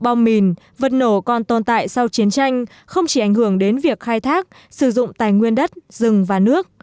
bom mìn vật nổ còn tồn tại sau chiến tranh không chỉ ảnh hưởng đến việc khai thác sử dụng tài nguyên đất rừng và nước